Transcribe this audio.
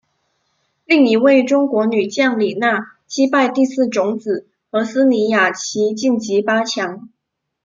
另一位中国女将李娜击败第四种籽禾丝妮雅琪晋级八强。